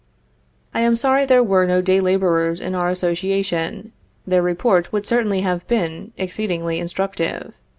I am sorry there were no day laborers in our association. Their report would certainly have been exceedingly instructive.